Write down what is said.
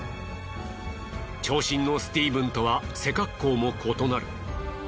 長身のスティーブンとは背格好も異なる。